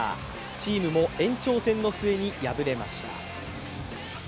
チームも延長戦の末に敗れました。